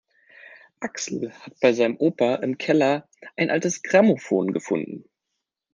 Axel hat bei seinem Opa im Keller ein altes Grammophon gefunden.